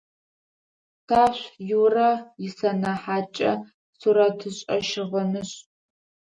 Стӏашъу Юрэ исэнэхьаткӏэ сурэтышӏэ-щыгъынышӏ.